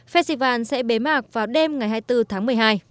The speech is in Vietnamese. festival sẽ bế mạc vào đêm ngày hai mươi bốn tháng một mươi hai